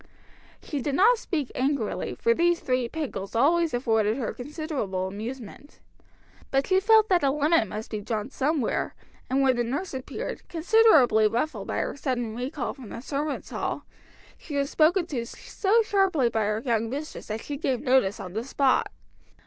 She did not speak angrily, for these three pickles always afforded her considerable amusement. But she felt that a limit must be drawn somewhere, and when the nurse appeared, considerably ruffled by her sudden recall from the servants' hall, she was spoken to so sharply by her young mistress that she gave notice on the spot.